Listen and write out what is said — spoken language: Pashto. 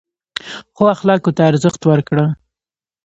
ښو اخلاقو ته ارزښت ورکړه.